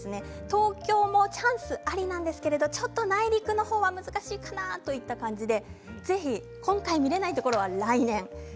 東京もチャンスありなんですけどちょっと内陸の方は難しいかなといった感じでぜひ今回見られないところは来年。